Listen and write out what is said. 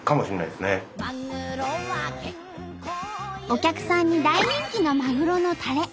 お客さんに大人気のまぐろのたれ。